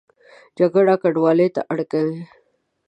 جګړه کډوالۍ ته اړ کوي